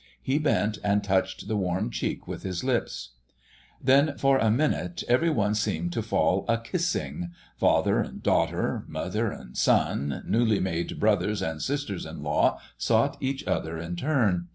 He bent and touched the warm cheek with his lips. Then for a minute every one seemed to fall a kissing. Father and daughter, Mother and son, newly made brothers and sisters in law sought each other in turn.